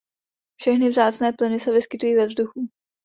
Všechny vzácné plyny se vyskytují ve vzduchu.